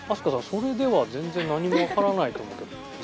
それでは全然何もわからないと思うけど。